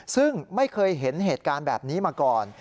ซึ่งไม่เคยเห็นเหตุการณ์แบบนี้มาก่อน